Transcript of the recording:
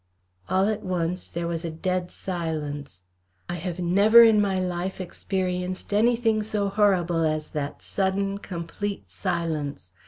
All at once there was a dead silence. I have never in my life experienced anything so horrible as that sudden, complete silence.